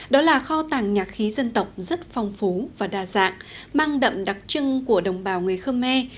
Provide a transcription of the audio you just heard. đó là kho tàng nhạc khí dân tộc rất phong phú và đa dạng mang đậm đặc trưng của đồng bào người khơ me